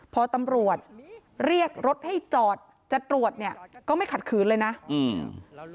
พอตำรวจเรียกรถให้จอดจะตรวจเนี้ยก็ไม่ขัดขืนเลยนะอืม